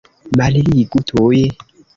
Malligu tuj!